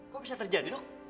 kok bisa terjadi dok